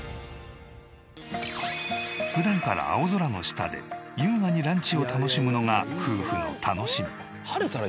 普段から青空の下で優雅にランチを楽しむのが夫婦の楽しみ。